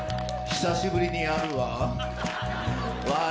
久しぶりにやるわ。